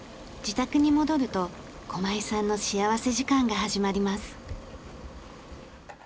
自宅に戻ると駒井さんの幸福時間が始まります。